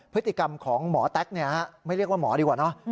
พฤติกรรมของหมอแต๊กไม่เรียกว่าหมอดีกว่าเนอะ